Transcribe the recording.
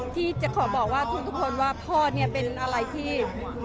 ที่จะขอบอกว่าทุกคนว่าพ่อเนี่ยเป็นอะไรที่